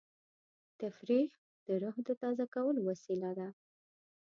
تفریح د روح د تازه کولو وسیله ده.